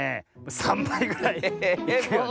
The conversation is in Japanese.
３ばいぐらいいくよね。